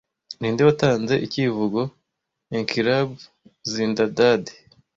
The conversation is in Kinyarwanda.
Ninde watanze icyivugo 'Inquilab Zindabad'